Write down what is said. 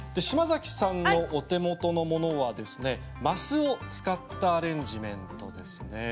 島崎さんのお手元のものは升を使ったアレンジメントです。